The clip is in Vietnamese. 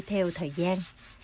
theo thời gian